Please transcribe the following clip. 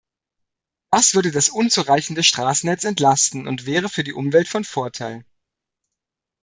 Das würde das unzureichende Straßennetz entlasten und wäre für die Umwelt von Vorteil.